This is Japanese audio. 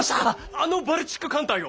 あのバルチック艦隊を？